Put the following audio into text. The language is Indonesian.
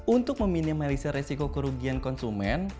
untuk meminimalisir resiko kerugian konsumen